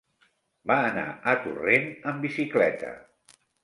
Va anar a Torrent amb bicicleta.